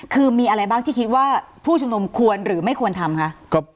คือมีอะไรบ้างที่คิดว่าผู้ชุมนุมควรหรือไม่ควรทำคะ